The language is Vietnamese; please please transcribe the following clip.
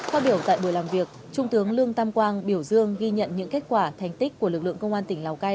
phát biểu tại buổi làm việc trung tướng lương tam quang biểu dương ghi nhận những kết quả thành tích của lực lượng công an tỉnh lào cai